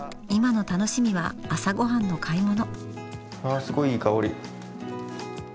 今の楽しみは朝ごはんの買い物。わすごいいい香り。